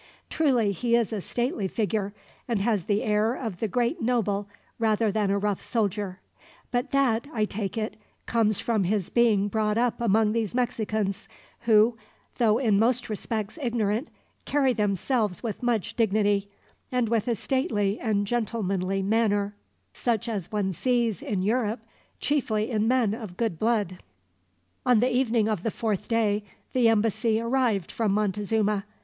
Truly he is a stately figure, and has the air of the great noble rather than a rough soldier; but that, I take it, comes from his being brought up among these Mexicans; who, though in most respects ignorant, carry themselves with much dignity, and with a stately and gentlemanly manner, such as one sees, in Europe, chiefly in men of good blood." On the evening of the fourth day, the embassy arrived from Montezuma.